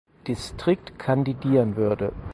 Distrikt kandidieren würde.